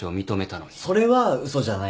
それは嘘じゃないし。